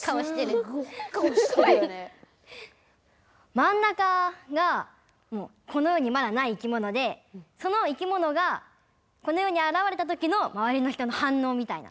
まん中がこのよにまだない生きものでその生きものがこのよにあらわれた時のまわりの人のはんのうみたいな。